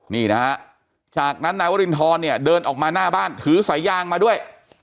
นี่นะฮะจากนั้นนายวรินทรเนี่ยเดินออกมาหน้าบ้านถือสายยางมาด้วย